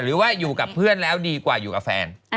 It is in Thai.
หรือว่าอยู่กับเพื่อนแล้วดีกว่าอยู่กับแฟน